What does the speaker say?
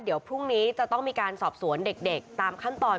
เดี๋ยวพรุ่งนี้จะต้องมีการสอบสวนเด็กตามขั้นตอน